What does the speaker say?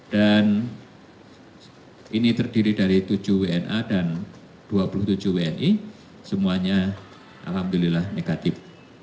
dan ini terdiri dari tujuh wna dan dua puluh tujuh wni semuanya alhamdulillah negatif